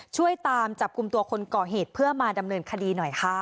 ช่วยตามจับกลุ่มตัวคนก่อเหตุเพื่อมาดำเนินคดีหน่อยค่ะ